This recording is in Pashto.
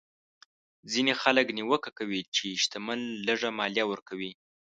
ځینې خلک نیوکه کوي چې شتمن لږه مالیه ورکوي.